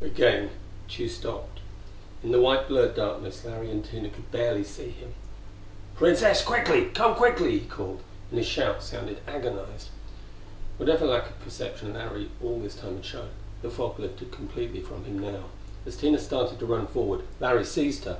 Again Tugh stopped. In the white, blurred darkness Larry and Tina could barely see him. "Princess, quickly! Come quickly!" he called, and his shout sounded agonized. Whatever lack of perception Larry all this time had shown, the fog lifted completely from him now. As Tina started to run forward, Larry seized her.